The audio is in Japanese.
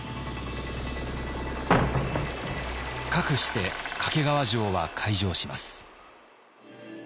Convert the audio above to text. かくして懸川城は開城します。